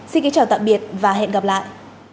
xin kính chào tạm biệt và hẹn gặp lại